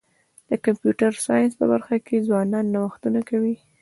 د کمپیوټر ساینس په برخه کي ځوانان نوښتونه کوي.